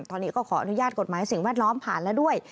ตอนนี้ก็ขออนุญาตกฎหมายสิ่งแวดล้อมผ่านแล้วด้วย